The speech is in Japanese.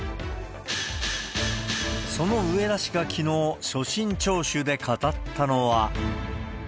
その植田氏がきのう、所信聴取で語ったのは。